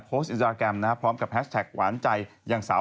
กระเทยเก่งกว่าเออแสดงความเป็นเจ้าข้าว